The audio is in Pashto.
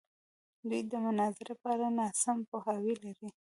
دوی د مناظرې په اړه ناسم پوهاوی لري.